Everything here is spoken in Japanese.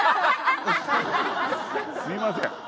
すみません。